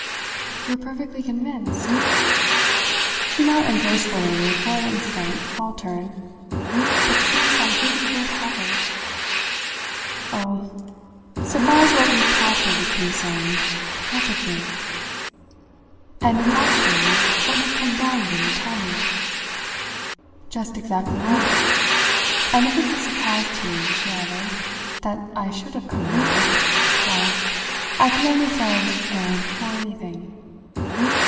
You're perfectly convinced?" She not ungracefully, for an instant, faltered; but since I really would have it ! "Oh, so far as what we've talked of is concerned, perfectly!" "And it's actually what you've come down then to tell me?" "Just exactly what. And if it's a surprise to you," she added, "that I should have come down why, I can only say I was prepared for anything."